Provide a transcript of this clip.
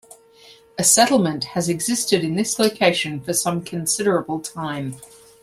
A settlement has existed in this location for some considerable time.